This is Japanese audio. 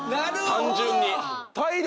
単純に。